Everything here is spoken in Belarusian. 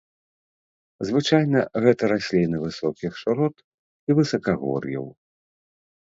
Звычайна гэта расліны высокіх шырот і высакагор'яў.